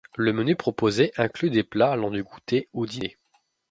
Le menu proposé inclut des plats allant du goûter au diner.